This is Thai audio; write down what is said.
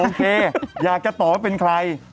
โอเคอยากจะตอบว่าเป็นใคร